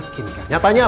kamu ke sekolahnya renan